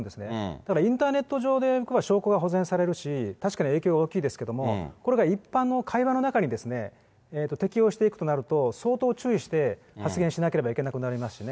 ただ、インターネット上で証拠が保全されるし、確かに影響は大きいですけれども、これが一般の会話の中に適用していくとなると、相当注意して発言しなければいけなくなりますしね。